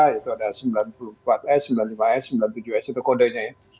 yaitu ada sembilan puluh empat s sembilan puluh lima s sembilan puluh tujuh s itu kodenya ya